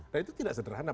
nah itu tidak sederhana